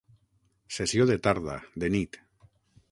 Sessió de tarda, de nit.